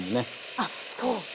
あっそう。